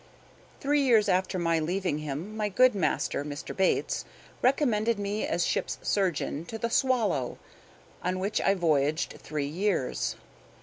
Three years after my leaving him my good master, Mr. Bates, recommended me as ship's surgeon to the "Swallow," on which I voyaged three years.